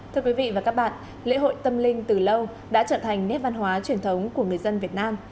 thưa quý vị và các bạn lễ hội tâm linh từ lâu đã trở thành nét văn hóa truyền thống của người dân việt nam